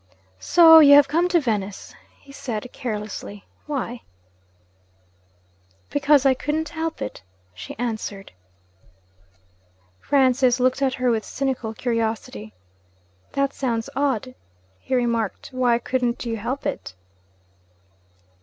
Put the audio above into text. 'So you have come to Venice?' he said carelessly. 'Why?' 'Because I couldn't help it,' she answered. Francis looked at her with cynical curiosity. 'That sounds odd,' he remarked. 'Why couldn't you help it?'